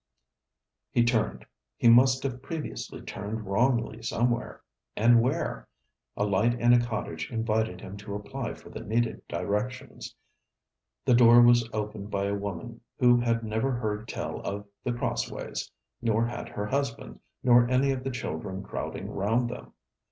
He turned. He must have previously turned wrongly somewhere and where? A light in a cottage invited him to apply for the needed directions. The door was opened by a woman, who had never heard tell of The Crossways, nor had her husband, nor any of the children crowding round them.